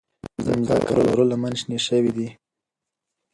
مځکه او غره لمنې شنې شوې دي.